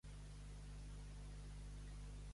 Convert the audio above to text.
Per què li preguntava el progenitor?